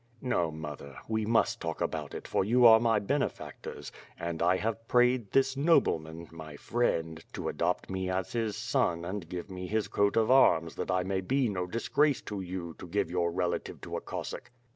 "No, mother we must talk about it, for you are my bene factors; and I have prayed this nobleman, my friend, to adopt me as his son and give me his coat of arms that 1 may be no disgrace to you to give your relative to a Cossack.